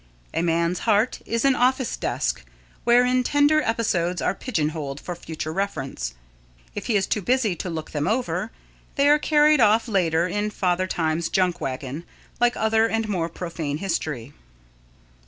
A man's heart is an office desk, wherein tender episodes are pigeon holed for future reference. If he is too busy to look them over, they are carried off later in Father Time's junk wagon, like other and more profane history.